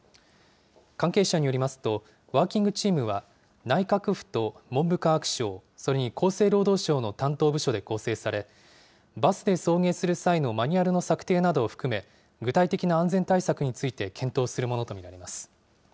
関係者によりますと、ワーキングチームは、内閣府と文部科学省、それに厚生労働省の担当部署で構成され、バスで送迎する際のマニュアルの策定などを含め、具体的な安全対策について検討するものと見られます。